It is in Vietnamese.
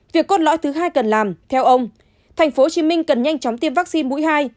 việc cốt lõi thứ hai cần làm theo ông tp hcm cần nhanh chóng tiêm vaccine mũi hai